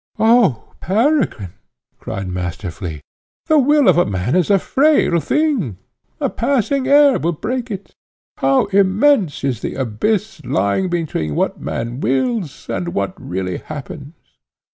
"Oh Peregrine!" cried Master Flea, "the will of man is a frail thing; a passing air will break it. How immense is the abyss lying between what man wills and what really happens!